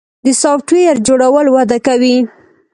د سافټویر جوړول وده کوي